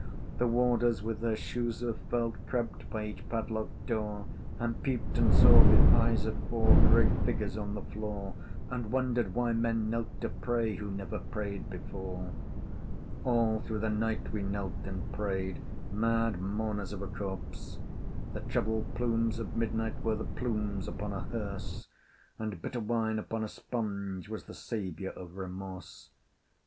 The Warders with their shoes of felt Crept by each padlocked door, And peeped and saw, with eyes of awe, Grey figures on the floor, And wondered why men knelt to pray Who never prayed before. All through the night we knelt and prayed, Mad mourners of a corpse! The troubled plumes of midnight were The plumes upon a hearse: And bitter wine upon a sponge Was the savior of Remorse.